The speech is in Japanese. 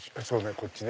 こっちね。